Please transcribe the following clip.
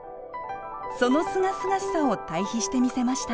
そのすがすがしさを対比してみせました。